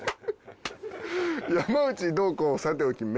山内どうこうさておき。